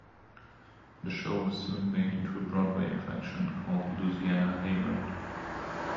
The show was soon made into a Broadway attraction called "Louisiana Hayride".